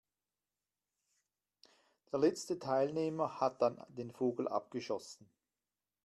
Der letzte Teilnehmer hat dann den Vogel abgeschossen.